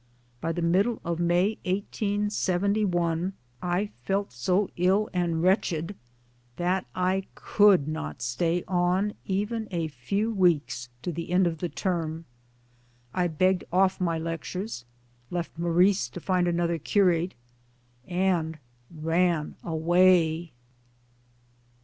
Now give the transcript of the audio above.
By the middle of May 1871. I felt so, ill and 6o MY DAYS AND DREAMS wretched that I could not stay on even a few weeks to the end of the term. I begged off my; lectures, left Maurice to find another curate, and ran away